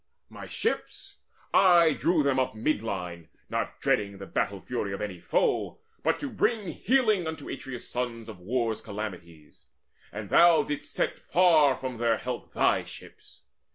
My ships? I drew them up mid line, Not dreading the battle fury of any foe, But to bring healing unto Atreus' sons Of war's calamities: and thou didst set Far from their help thy ships.